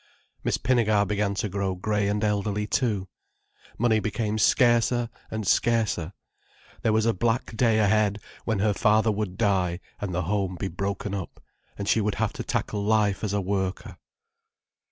Miss Pinnegar began to grow grey and elderly too, money became scarcer and scarcer, there was a black day ahead when her father would die and the home be broken up, and she would have to tackle life as a worker.